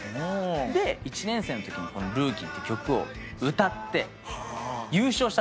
で１年生のときに『ルーキー』って曲を歌って優勝したんですよ。